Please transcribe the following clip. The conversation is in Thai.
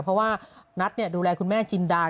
เพราะว่านัทดูแลคุณแม่จินดา